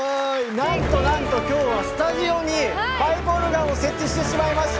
なんとなんと今日はスタジオにパイプオルガンを設置してしまいました！